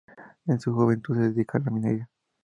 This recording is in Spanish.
En su juventud se dedicó a la minería.